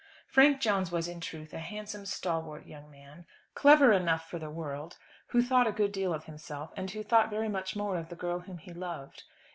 Frank Jones was, in truth, a handsome stalwart young man, clever enough for the world, who thought a good deal of himself, and who thought very much more of the girl whom he loved.